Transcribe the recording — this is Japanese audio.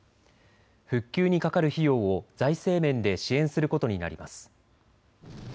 復旧にかかる費用を財政面で支援することになります。